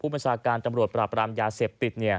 ประชาการตำรวจปราบรามยาเสพติด